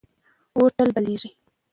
اور تل بلېږي.